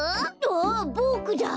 あっボクだ！